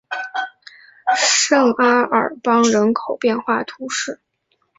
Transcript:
圣阿尔邦人口变化图示